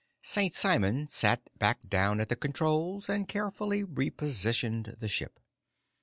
St. Simon sat back down at the controls and carefully repositioned the ship.